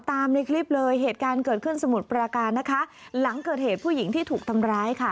ในคลิปเลยเหตุการณ์เกิดขึ้นสมุทรปราการนะคะหลังเกิดเหตุผู้หญิงที่ถูกทำร้ายค่ะ